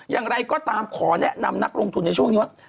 อย่างไรก็ตามขอแนะนำนักลงทุนในช่วงนี้ว่า